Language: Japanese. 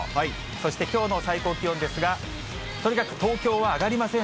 そして、きょうの最高気温ですが、とにかく東京は上がりません。